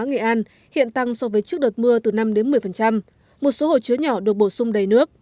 nghệ an hiện tăng so với trước đợt mưa từ năm đến một mươi một số hồ chứa nhỏ được bổ sung đầy nước